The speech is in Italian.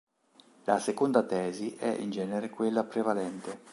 La seconda tesi è in genere quella prevalente.